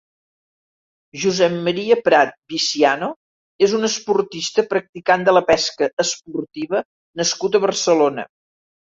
Josep Maria Prat Viciano és un esportista practicant de la pesca esportiva nascut a Barcelona.